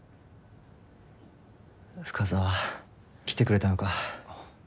深沢来てくれたのか。